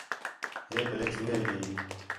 ہِے پَلّے چوہے بھی